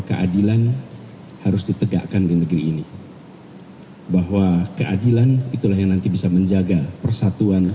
keadilan harus ditegakkan di negeri ini bahwa keadilan itulah yang nanti bisa menjaga persatuan